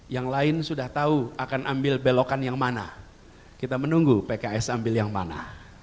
yang lain sudah tahu akan ambil belokan yang mana kita menunggu pks ambil yang mana